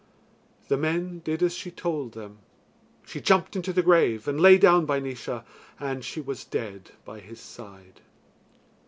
The men did as she told them. She jumped into the grave and lay down by Naois, and she was dead by his side.